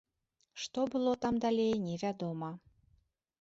Што было там далей, невядома.